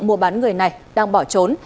mua bán người này đang bỏ trốn